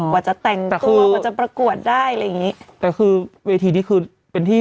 กว่าจะแต่งตัวกว่าจะประกวดได้อะไรอย่างงี้แต่คือเวทีนี้คือเป็นที่